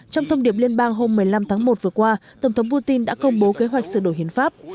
trong thông điệp liên bang hôm một mươi năm tháng một vừa qua tổng thống putin đã công bố kế hoạch sửa đổi hiến pháp